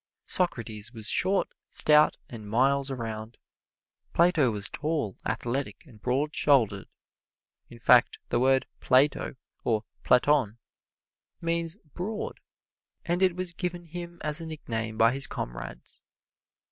Socrates was short, stout and miles around. Plato was tall, athletic and broad shouldered. In fact, the word, "plato," or "platon," means broad, and it was given him as a nickname by his comrades.